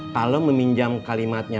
kalau meminjam kalimatnya